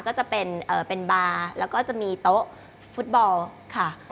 ก็จะเป็นบาร์แล้วก็จะมีโต๊ะฟุตบอลค่ะ